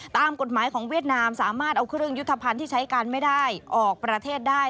ตามกฎหมายของเวียดนามสามารถเอาเครื่องยุทธภัณฑ์ที่ใช้กันไม่ได้ออกประเทศได้